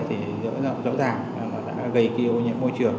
thì rõ ràng đã gây kêu nhiễm môi trường